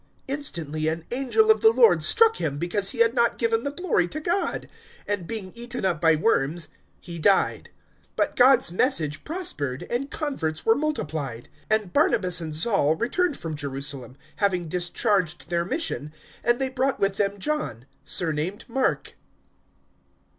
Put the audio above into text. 012:023 Instantly an angel of the Lord struck him, because he had not given the glory to God, and being eaten up by worms, he died. 012:024 But God's Message prospered, and converts were multiplied. 012:025 And Barnabas and Saul returned from Jerusalem, having discharged their mission, and they brought with them John, surnamed Mark.